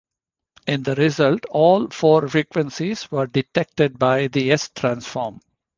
In the result, all four frequencies were detected by the S transform.